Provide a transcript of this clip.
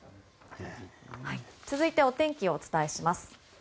続いて、お天気をお伝えします。